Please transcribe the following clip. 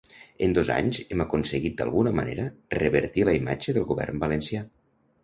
En dos anys, hem aconseguit d’alguna manera, revertir la imatge del govern valencià.